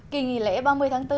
kỳ nghỉ lễ ba mươi tháng bốn